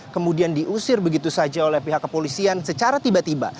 kemudian diusir begitu saja oleh pihak kepolisian secara tiba tiba